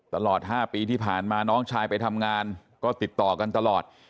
ตลอด๕ปีที่ผ่านมาน้องชายไปทำงานก็ติดต่อกันตลอด